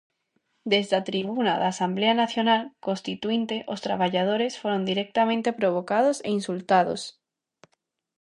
Desde a tribuna da Asemblea Nacional Constituínte os traballadores foron directamente provocados e insultados.